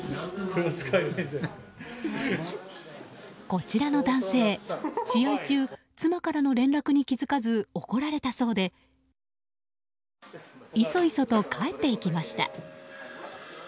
こちらの男性、試合中妻からの連絡に気づかず怒られたそうでいそいそと帰っていきました。